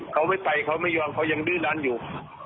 เขาไม่ไปเขาไม่ยอมเขายังดื้อดันอยู่